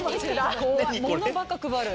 物ばっか配る。